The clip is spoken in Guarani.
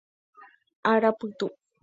Arapytu.